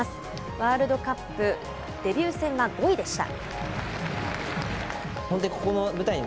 ワールドカップデビュー戦は５位でした。